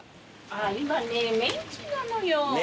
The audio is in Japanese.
今ねメンチなのよ。